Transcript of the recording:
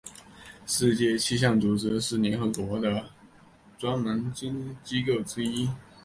世界气象组织是联合国的专门机构之一。